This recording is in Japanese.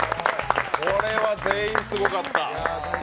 これは全員すごかった。